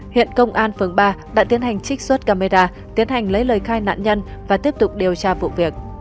hiện công an phường ba đã tiến hành trích xuất camera tiến hành lấy lời khai nạn nhân và tiếp tục điều tra vụ việc